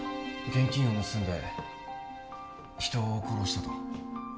現金を盗んで人を殺したと。